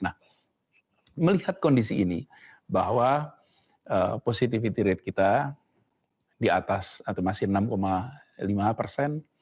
nah melihat kondisi ini bahwa positivity rate kita di atas atau masih enam lima persen